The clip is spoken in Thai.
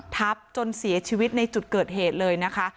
จนเสียชีวิตในจุดเกิดเหตุเลยนะคะ